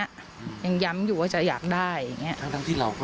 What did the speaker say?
ยังย้ำอยู่ว่าจะอยากได้อย่างนี้